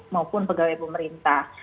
maupun pegawai pemerintah